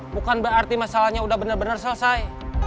bukan berarti masalahnya udah bener bener selesai